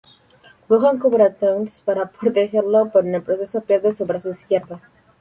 Gohan cubre a Trunks para protegerlo pero en el proceso pierde su brazo izquierdo.